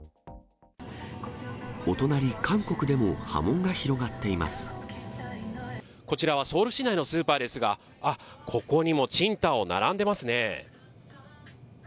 お隣韓国でも、波紋が広がっていこちらはソウル市内のスーパーですが、あっ、ここにも青島、並んでますね。